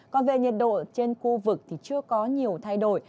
còn về nhiệt độ trên khu vực thì chưa có nhiều thay đổi